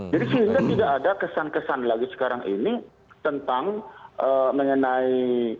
jadi sehingga tidak ada kesan kesan lagi sekarang ini tentang mengenai